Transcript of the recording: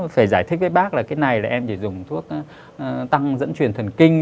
phải giải thích với bác là cái này là em chỉ dùng thuốc tăng dẫn truyền thần kinh